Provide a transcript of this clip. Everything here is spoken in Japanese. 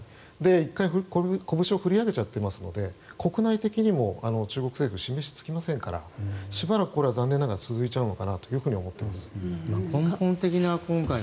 １回、こぶしを振り上げちゃっていますので国内的にも、中国政府示しがつきませんからしばらく続いちゃうのかなと思っています、残念ながら。